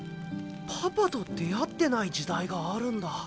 パパと出会ってない時代があるんだ。